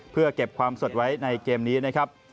เพื่อเก็บความสดไว้ในเกมนี้นะครับ